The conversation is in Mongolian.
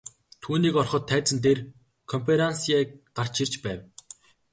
Түүнийг ороход тайзан дээр КОНФЕРАНСЬЕ гарч ирж байв.